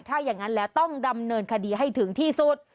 ถ้าอย่างนั้นแล้วต้องดำเนินคดีให้ถึงที่สุด